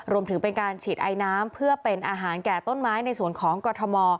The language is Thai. รวมถึงเป็นการฉีดไอน้ำเพื่อเป็นอาหารแก่ต้นไม้ในส่วนของกรทม